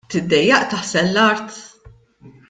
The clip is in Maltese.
Tiddejjaq taħsel l-art?